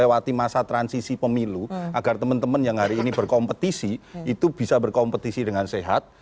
melewati masa transisi pemilu agar teman teman yang hari ini berkompetisi itu bisa berkompetisi dengan sehat